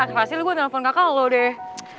akhir akhir ini gua telepon kakak lo deh